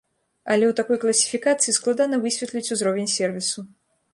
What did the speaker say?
Але ў такой класіфікацыі складана высветліць узровень сервісу.